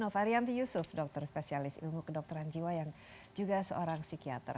prof dr spesialis ilmu kedokteran jiwa yang juga seorang psikiater